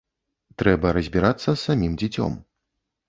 Трэба разбірацца з самім дзіцём.